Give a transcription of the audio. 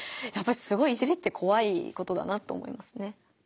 やっぱりすごい「いじり」ってこわいことだなと思いますね。